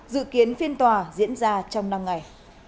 dự kiến phiên tòa diễn ra trong năm ngày